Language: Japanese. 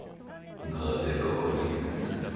なぜここにいるんだい？